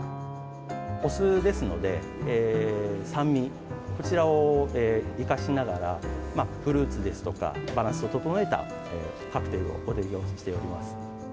お酢ですので、酸味、そちらを生かしながら、フルーツですとか、バランスを整えたカクテルをご提供しております。